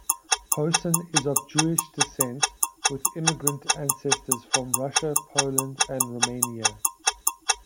Posen is of Jewish descent, with immigrant ancestors from Russia, Poland, and Romania.